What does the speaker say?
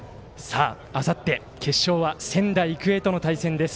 あさって、決勝は仙台育英との対戦です。